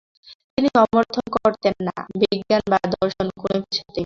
তিনি সমর্থন করতেন না, বিজ্ঞান বা দর্শন কোনকিছুতেই নয়।